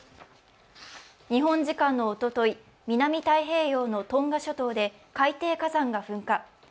日本時間のおととい、南太平洋のトンガ諸島で海底火山が噴火。